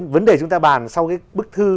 vấn đề chúng ta bàn sau cái bức thư